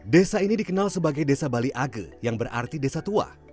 desa ini dikenal sebagai desa bali age yang berarti desa tua